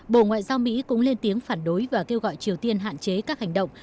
bộ ngoại giao mỹ cũng lên tiếng phản đối và kêu gọi triều tiên hạn chế các hành động